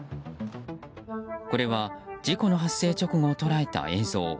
これは事故の発生直後を捉えた映像。